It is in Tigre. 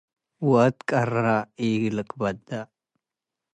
ወአት ቀረ ኢለአከብደ።